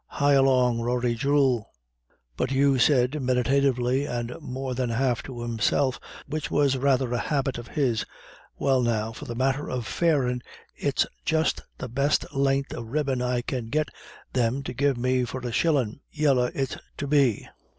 Hi along, Rory, jewel!" But Hugh said, meditatively, and more than half to himself, which was rather a habit of his: "Well, now, for the matter of the fairin', it's just the best len'th of ribbon I can get thim to give me for a shillin'. Yella it's to be.